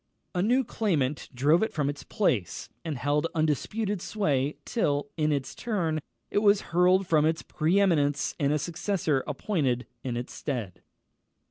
A new claimant drove it from its place, and held undisputed sway till, in its turn, it was hurled from its pre eminence, and a successor appointed in its stead.